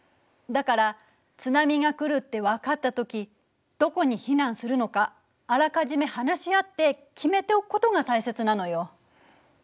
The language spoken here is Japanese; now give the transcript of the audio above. だから津波が来るって分かった時どこに避難するのかあらかじめ話し合って決めておくことが大切なのよ。